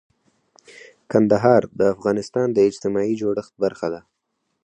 کندهار د افغانستان د اجتماعي جوړښت برخه ده.